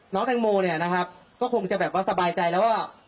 น้องแตงโมก็คงจะสบายใจแล้วว่า